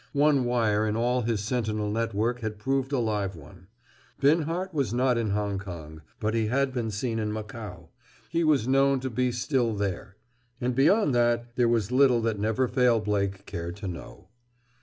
One wire in all his sentinel network had proved a live one. Binhart was not in Hong Kong, but he had been seen in Macao; he was known to be still there. And beyond that there was little that Never Fail Blake cared to know.